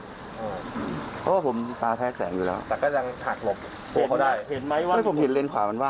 เพราะว่าผมตาแพ้แสงอยู่แล้วแต่ก็ยังถากหลบ